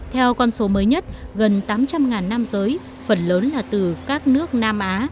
theo con số mới nhất gần tám trăm linh nam giới phần lớn là từ các nước nam á